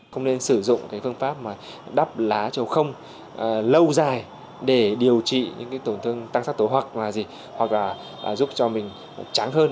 không nên sử dụng phương pháp đắp lá trầu không lâu dài để điều trị tổn thương tăng sắc tố hoặc giúp cho mình trắng hơn